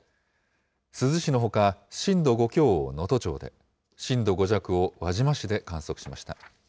珠洲市のほか、震度５強を能登町で、震度５弱を輪島市で観測しました。